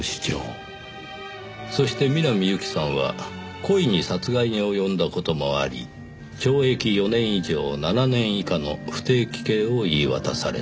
そして南侑希さんは故意に殺害に及んだ事もあり懲役４年以上７年以下の不定期刑を言い渡された。